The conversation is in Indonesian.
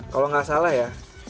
kalau gak salah ya